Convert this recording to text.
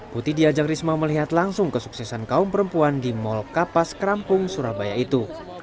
putih diajak risma melihat langsung kesuksesan kaum perempuan di mall kapas kerampung surabaya itu